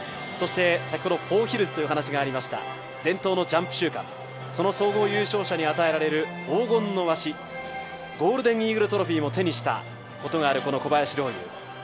そして、先ほどフォーヒルズという話もありました、伝統のジャンプ週間、その総合優勝者に与えられる黄金のわし、ゴールデンイーグルトロフィーも手にしたことがあるこの小林陵侑。